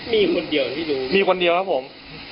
มีคนเดียวที่ดูมีคนเดียวครับผม